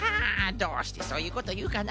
どうしてそういうこというかな？